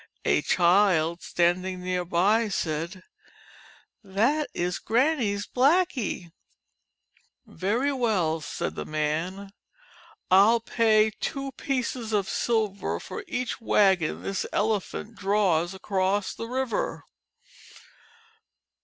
A child standing near by said, "That is Granny's Blackie." "Very well," said the man, "I '11 pay two pieces of silver for each wagon this Elephant draws across the river.'